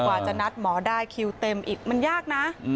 กว่าจะนัดหมอได้คิวเต็มอีกมันยากนะ